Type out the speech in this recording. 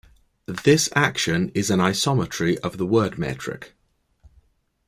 This action is an isometry of the word metric.